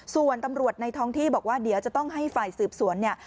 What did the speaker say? ส่วนตำรวจในท้องที่บอกว่าเดี๋ยวจะต้องให้ฝ่ายสืบสวนเนี่ย